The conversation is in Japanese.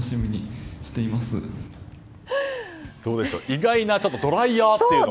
意外な、ドライヤーという。